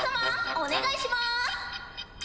お願いします。